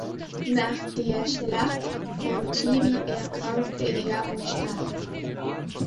Nach der Schlacht von Chibi erkrankte er und starb.